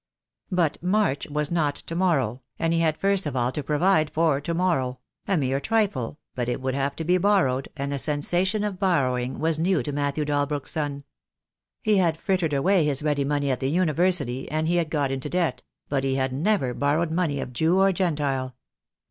But March was not to morrow, and he had first of all to provide for to morrow; a mere trifle, but it would have to be borrowed, and the sensation of borrowing was new to Matthew Dalbrook's son. He had frittered away his ready money at the University, and he had got into debt; but he had never borrowed money of Jew or Gentile.